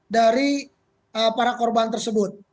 dari para korban tersebut